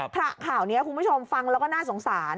ข่าวนี้คุณผู้ชมฟังแล้วก็น่าสงสาร